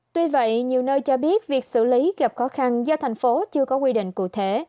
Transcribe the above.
tuy vậy nhiều nơi cho biết việc xử lý gặp khó khăn do thành phố chưa có quy định cụ thể